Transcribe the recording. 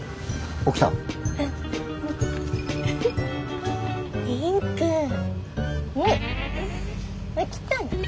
起きたの？